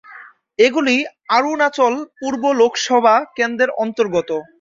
এগুলি অরুণাচল পূর্ব লোকসভা কেন্দ্রের অন্তর্গত।